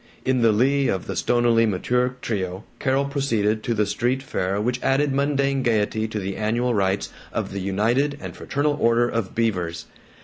In the lee of the stonily mature trio Carol proceeded to the street fair which added mundane gaiety to the annual rites of the United and Fraternal Order of Beavers.